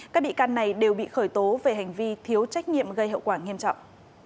các bị can này đều bị khởi tố về hành vi thiếu trách nhiệm gây hậu quả nghiêm trọng